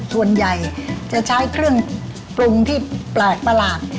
ส่วนใหญ่จะใช้เครื่องปรุงที่แปลกประหลาด